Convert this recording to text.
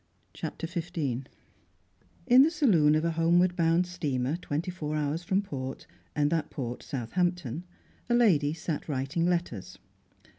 CHAPTER XV In the saloon of a homeward bound steamer, twenty four hours from port, and that port Southampton, a lady sat writing letters.